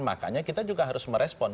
makanya kita juga harus merespon